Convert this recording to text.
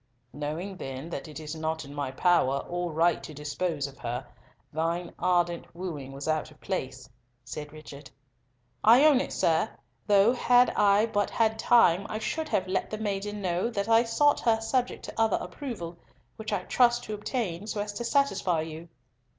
"Knowing then that it is not in my power or right to dispose of her, thine ardent wooing was out of place," said Richard. "I own it, sir, though had I but had time I should have let the maiden know that I sought her subject to other approval, which I trust to obtain so as to satisfy you."